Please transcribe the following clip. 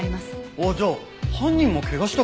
あっじゃあ犯人も怪我したかもね。